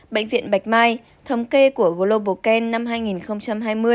bệnh viện bạch mai thống kê của global can năm hai nghìn hai mươi